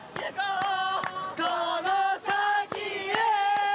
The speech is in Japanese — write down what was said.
その先へ